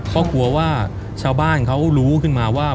เขากลัวว่าชาวบ้านเขารู้ขึ้นมาว่า